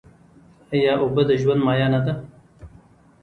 آیا اوبه د ژوند مایه نه ده؟